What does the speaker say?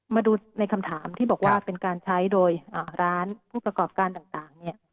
มาดูในคำถามที่บอกว่าเป็นการใช้โดยร้านผู้ประกอบการต่างเนี่ย